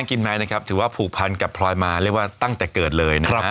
กินไหมนะครับถือว่าผูกพันกับพลอยมาเรียกว่าตั้งแต่เกิดเลยนะครับ